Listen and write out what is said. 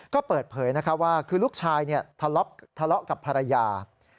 ก็เปิดเผยว่าคือลูกชายทะเลาะกับภรรยา